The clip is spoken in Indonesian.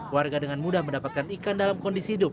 warga dengan mudah mendapatkan ikan dalam kondisi hidup